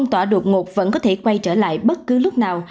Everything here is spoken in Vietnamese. tỏa đột ngột vẫn có thể quay trở lại bất cứ lúc nào